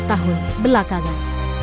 tiga tahun belakangan